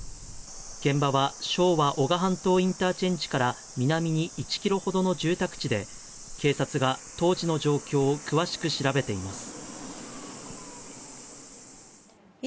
現場は、昭和男鹿半島インターチェンジから南に１キロほどの住宅地で、警察が当時の状況を詳しく調べています。